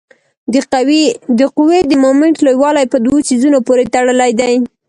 د قوې د مومنټ لویوالی په دوو څیزونو پورې تړلی دی.